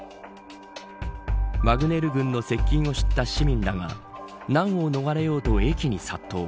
ワグネル軍の接近を知った市民らが難を逃れようと駅に殺到。